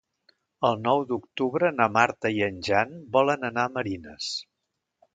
El nou d'octubre na Marta i en Jan volen anar a Marines.